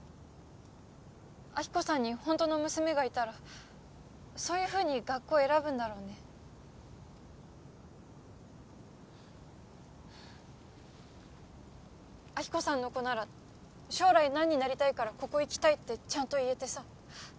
亜希子さんにホントの娘がいたらそういうふうに学校選ぶんだろうね亜希子さんの子なら将来何になりたいからここ行きたいってちゃんと言えてさ